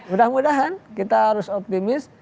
mudah mudahan kita harus optimis